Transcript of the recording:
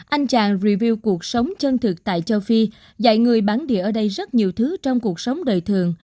anh chàng review cuộc sống chân thực tại châu phi dạy người bán địa ở đây rất nhiều thứ trong cuộc sống đời thường